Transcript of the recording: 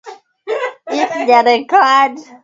Eko piya na haki ya ku riti vitu mama